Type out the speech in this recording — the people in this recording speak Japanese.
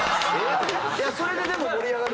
それででも盛り上がる。